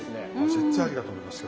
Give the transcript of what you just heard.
全然ありだと思いますよ。